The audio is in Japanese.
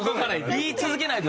言い続けないと。